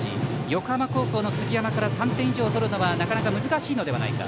横浜高校の杉山から３点以上取るのはなかなか難しいのではないか。